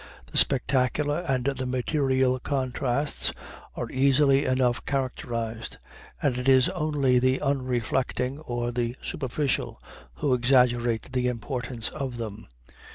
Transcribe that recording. The spectacular and the material contrasts are easily enough characterized, and it is only the unreflecting or the superficial who exaggerate the importance of them.